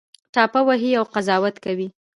ټاپه وهي او قضاوت کوي